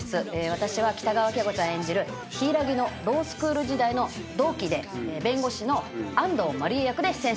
私は北川景子ちゃん演じる柊木のロースクール時代の同期で弁護士の安藤麻理恵役で出演してます！